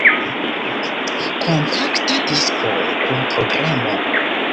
Kompakta disko kun programo.